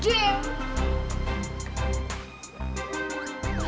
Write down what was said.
gue juga kak